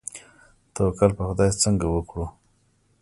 توکل په خدای څنګه وکړو؟